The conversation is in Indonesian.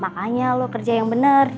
makanya lo kerja yang benar